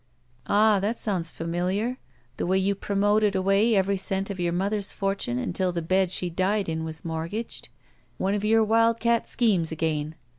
"Ah, that sounds familiar. The way you pro moted away every cent of yoiu* mother's fortune until the bed she died in was mortgaged. One of your wildcat schemes again!